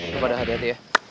kepada hati hati ya